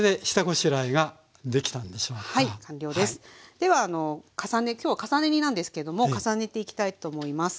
では今日は重ね煮なんですけども重ねていきたいと思います。